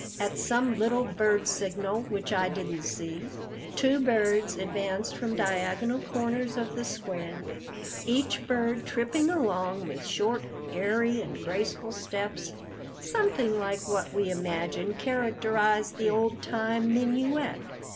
At some little bird signal which I didn't see, two birds advanced from diagonal corners of the square, each bird tripping along with short, airy and graceful steps, something like what we imagine characterized the old time 'minuet.'